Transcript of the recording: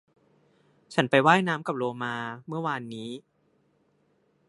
ฉันไปว่ายน้ำกับโลมาเมื่อวานนี้